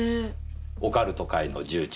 オカルト界の重鎮。